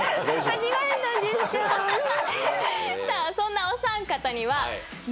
さあそんなお三方には。